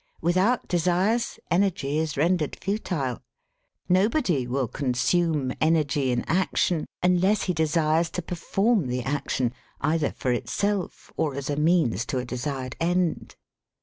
Without desires, energy is rendered futile. Nobody will consume energy in action unless he desires to per form the action, either for itself or as a means to a desired end.